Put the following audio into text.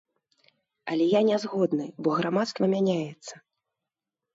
Але я нязгодны, бо грамадства мяняецца.